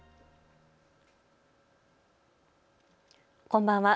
こんばんは。